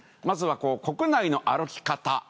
まずは国内の歩き方。